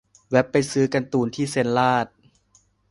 แว่บไปซื้อการ์ตูนที่เซ็นลาด